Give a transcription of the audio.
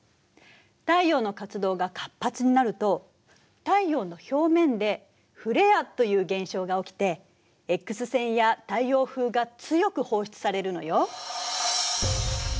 太陽の活動が活発になると太陽の表面でフレアという現象が起きてＸ線や太陽風が強く放出されるのよ。